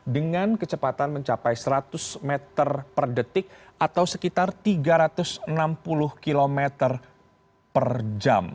dengan kecepatan mencapai seratus meter per detik atau sekitar tiga ratus enam puluh km per jam